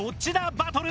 バトル。